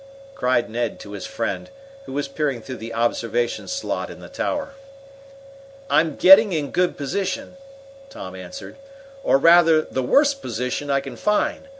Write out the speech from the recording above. cried Ned to his "friend, who was peering through the observation slot in the tower." "I'm getting in good position," Tom answered. "Or rather, the worst position I can find.